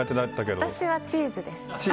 私はチーズです。